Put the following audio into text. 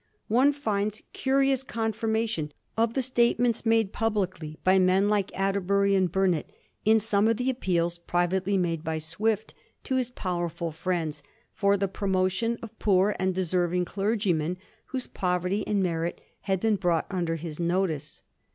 One finds curious confirmation of the statements 6* 130 A HISTORY OF THE FOUR GEORGES. cn.xxx. made publicly by men like Atterbary and Burnet in some of the appeals privately made by Swift to his pow erful friends for the promotion of poor and deserving clergymen whose poverty and merit had been brought under his notice.